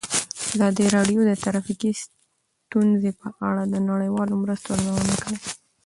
ازادي راډیو د ټرافیکي ستونزې په اړه د نړیوالو مرستو ارزونه کړې.